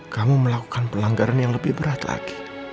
kamu melakukan pelanggaran yang lebih berat lagi